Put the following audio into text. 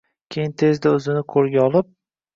Keyin tezda o`zini qo`lga olib